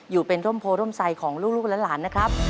อยู่เป็นร่มโพร่มใสของลูกและหลานนะครับ